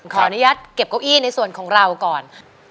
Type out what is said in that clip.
ขออนุญาตเก็บเก้าอี้ในส่วนของเราก่อน